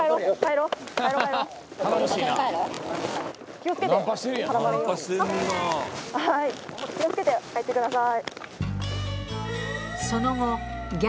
気を付けて帰ってください。